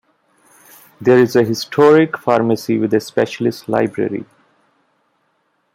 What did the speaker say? There is a historic pharmacy with a specialist library.